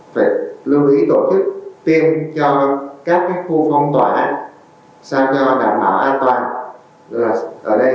để đẩy nhanh tiến độ tiêm vaccine covid một mươi chín trong tình hình chung hiện nay